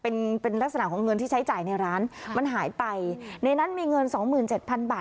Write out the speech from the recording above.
เป็นเป็นลักษณะของเงินที่ใช้จ่ายในร้านมันหายไปในนั้นมีเงินสองหมื่นเจ็ดพันบาท